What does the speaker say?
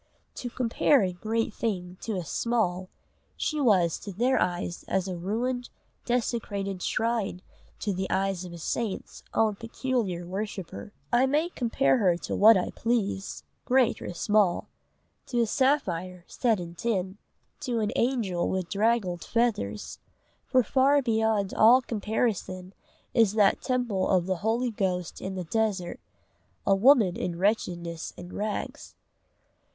To compare a great thing to a small, she was to their eyes as a ruined, desecrated shrine to the eyes of the saint's own peculiar worshipper. I may compare her to what I please, great or small to a sapphire set in tin, to an angel with draggled feathers; for far beyond all comparison is that temple of the holy ghost in the desert a woman in wretchedness and rags.